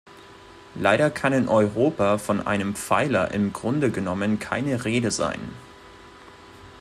Leider kann in Europa von einem Pfeiler im Grunde genommen keine Rede sein.